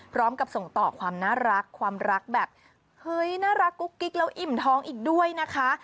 พร้อมกับส่งต่อความน่ารักความรักแบบเฮ้ยน่ารักกุ๊กกิ๊กแล้วอิ่มท้องอีกด้วยนะคะ